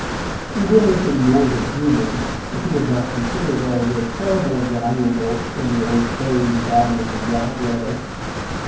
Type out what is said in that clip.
He would have been more than human, if he had not considered all this far more valuable than the old prose babbling in black letter.